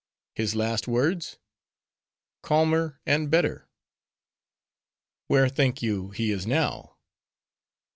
"His last words?" "Calmer, and better!" "Where think you, he is now?"